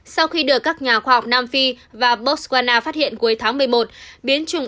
sau khi được các nhà khoa học nam phi và botswana phát hiện cuối tháng một mươi một